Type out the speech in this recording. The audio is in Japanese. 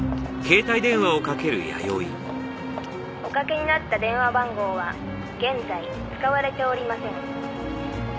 「おかけになった電話番号は現在使われておりません」